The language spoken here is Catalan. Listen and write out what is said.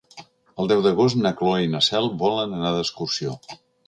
El deu d'agost na Cloè i na Cel volen anar d'excursió.